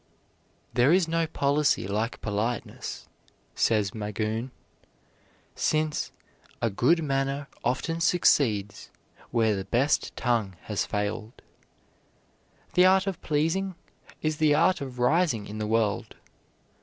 "There is no policy like politeness," says Magoon; "since a good manner often succeeds where the best tongue has failed." The art of pleasing is the art of rising in the world.